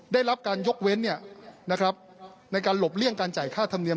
ได้รับการยกเว้นในการหลบเลี่ยงการจ่ายค่าธรรมเนียม